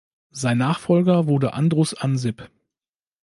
Sein Nachfolger wurde Andrus Ansip.